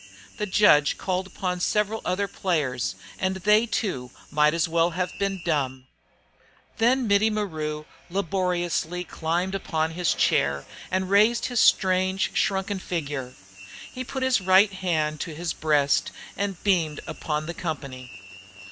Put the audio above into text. The judge called upon several other players, and they too might as well have been dumb. Then Mittie Maru laboriously climbed upon his chair, and raised his strange, shrunken figure. He put his right hand to his breast and beamed upon the company.